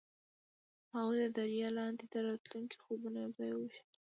هغوی د دریا لاندې د راتلونکي خوبونه یوځای هم وویشل.